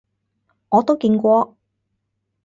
我都見過